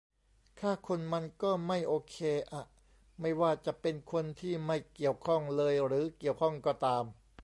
ฆ่าคนมันก็ไม่โอเคอะ ไม่ว่าจะเป็นคนที่ไม่เกี่ยวข้องเลยหรือเกี่ยวข้องก็ตาม